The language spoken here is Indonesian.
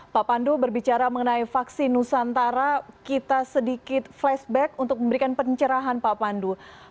pak pandu berbicara mengenai vaksin nusantara kita sedikit flashback untuk memberikan pencerahan pak pandu